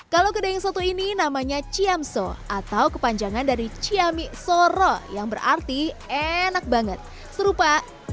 kalau kedai yang satu ini namanya ciamso atau kepanjangan dari ciamik soro yang berarti enak banget serupa